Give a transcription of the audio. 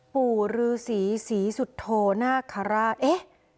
ปู่รือศรีศรีสุโทน่าขราชเอ๊ะ